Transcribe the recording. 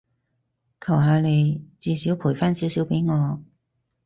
求下你，至少賠返少少畀我